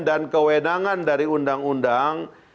dan kewenangan dari undang undang